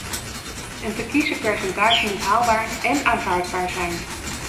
Een te kiezen percentage moet haalbaar én aanvaardbaar zijn.